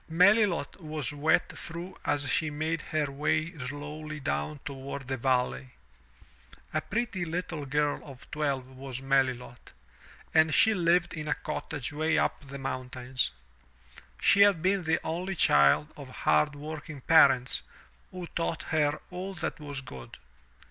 Melilot was wet through as she made her way slowly down toward the valley. A pretty little girl of twelve was Melilot, and she lived in a cottage way up the mountains. She had been the only child of hard working parents who taught her all that was good.